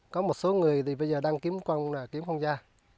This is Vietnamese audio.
có một số người thì bây giờ đang kiếm công kiếm không ra